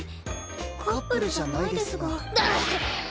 カップルじゃないですが。